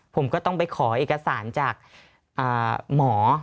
ผมก็ต้องไปขอเอกสารจากหมอ